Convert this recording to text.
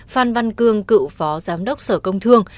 phan văn cương cựu phó giám đốc sở công thương